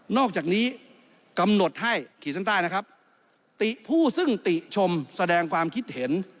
นอกจากนี้กำหนดให้ติผู้ซึ่งติชมแสดงความคิดเห็น